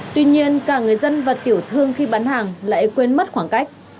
tuy nhiên cả người dân và tiểu thương khi bán hàng lại quên mất khoảng cách